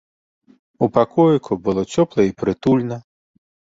У пакоіку было цёпла і прытульна.